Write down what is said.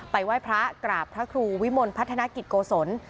ไหว้พระกราบพระครูวิมลพัฒนกิจโกศล